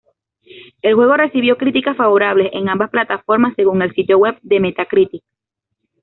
El juego recibió críticas favorables en ambas plataformas según el sitio web de Metacritic.